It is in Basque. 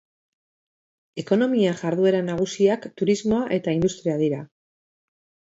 Ekonomia-jarduera nagusiak turismoa eta industria dira.